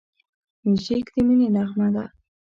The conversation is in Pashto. موزیک د مینې نغمه ده.